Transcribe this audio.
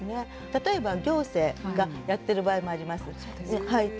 例えば行政がやってる場合もあります。